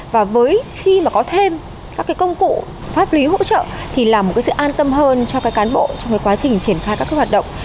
và với khi mà có thêm các công cụ pháp lý hỗ trợ thì là một sự an tâm hơn cho cán bộ trong quá trình triển khai các hoạt động